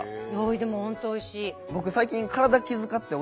でも本当おいしい。